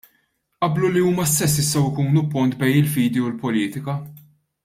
Qablu li huma stess jistgħu jkunu pont bejn il-fidi u l-politika.